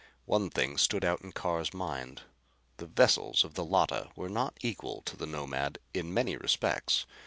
One thing stood out in Carr's mind: the vessels of the Llotta were not equal to the Nomad in many respects.